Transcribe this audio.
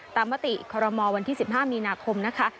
ตามปฏิครมมวันที่๑๕มีนาคมนะคะ